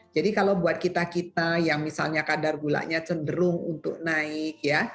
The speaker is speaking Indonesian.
jadi kalau buat kita kita yang misalnya kadar gulanya cenderung untuk naik ya